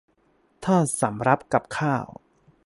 ทอดสำรับกับข้าว